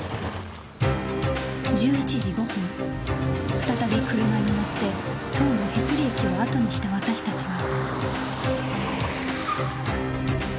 １１時５分再び車に乗って塔のへつり駅を後にした私達は